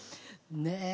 ねえ？